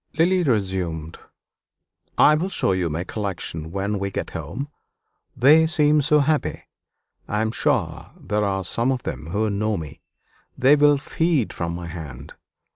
Lily resumed "I will show you my collection when we get home they seem so happy. I am sure there are some of them who know me they will feed from my hand.